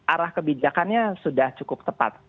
arah kebijakannya sudah cukup tepat